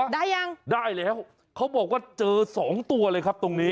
ได้ยังได้แล้วเขาบอกว่าเจอสองตัวเลยครับตรงนี้